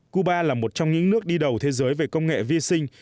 cuba là một trong những nước đi đầu thế giới về công nghệ vi sinh